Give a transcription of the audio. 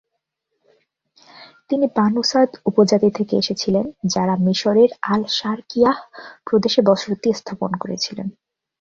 তিনি বানু সাদ উপজাতি থেকে এসেছিলেন যারা মিশরের আল-শারকিয়াহ প্রদেশে বসতি স্থাপন করেছিলেন।